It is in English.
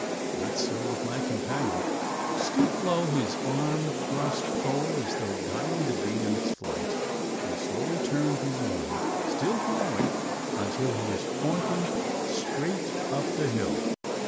Not so with my companion. Stooped low, his arm thrust forward as though guiding the bee in its flight, he slowly turned his arm, still following, until he was pointing straight up the hill.